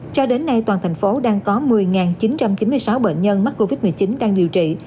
cho đến nay toàn thành phố đang có một mươi chín trăm chín mươi sáu bệnh nhân mắc covid một mươi chín đang điều trị